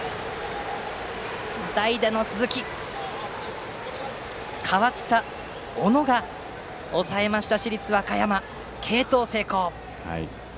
代打の鈴木を代わった、小野が抑えました市立和歌山、継投成功。